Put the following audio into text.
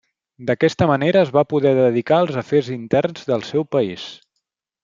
D'aquesta manera es va poder dedicar als afers interns del seu país.